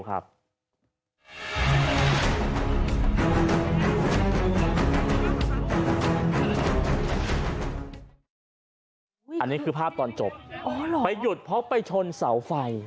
อันนี้คือภาพตอนจบไปหยุดเพราะไปชนเสาไฟ